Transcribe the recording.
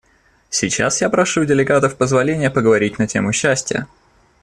Сейчас я прошу у делегатов позволения поговорить на тему счастья.